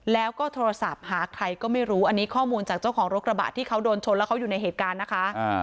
แล้วก็โทรศัพท์หาใครก็ไม่รู้อันนี้ข้อมูลจากเจ้าของรถกระบะที่เขาโดนชนแล้วเขาอยู่ในเหตุการณ์นะคะ